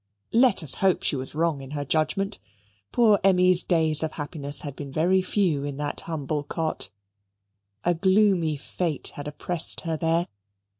Let us hope she was wrong in her judgement. Poor Emmy's days of happiness had been very few in that humble cot. A gloomy Fate had oppressed her there.